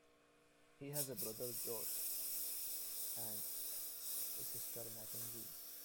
He has a brother, Josh, and a sister, Mackenzie.